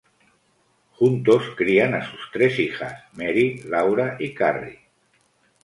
Juntos crían a sus tres hijas: Mary, Laura y Carrie.